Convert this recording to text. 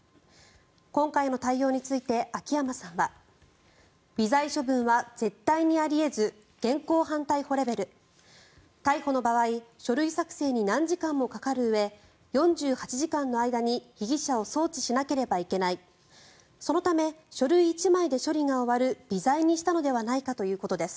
今回の対応について秋山さんは微罪処分は絶対にあり得ず現行犯逮捕レベル逮捕の場合書類作成に何時間もかかるうえ４８時間の間に被疑者を送致しなければいけないそのため書類１枚で処理が終わる微罪にしたのではないかということです。